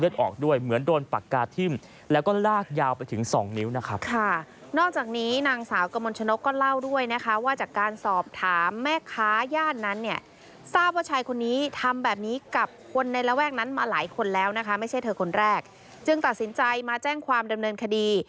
จึงตัดสินใจมาแจ่งความดำเนินคดี